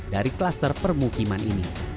dari kluster permukiman ini